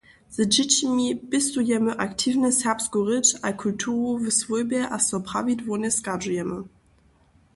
Z dźěćimi pěstujemy aktiwnje serbsku rěč a kulturu w swójbje a so prawidłownje schadźujemy.